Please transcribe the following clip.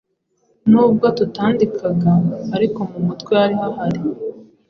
nubwo tutandikaga ariko mumutwe hari hahari